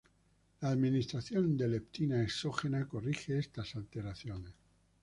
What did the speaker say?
La administración de leptina exógena corrige estas alteraciones.